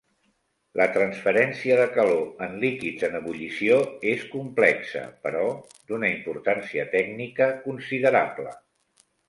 La transferència de calor en líquids en ebullició és complexa, però d'una importància tècnica considerable.